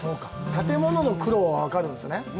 建物の苦労は分かるんですね？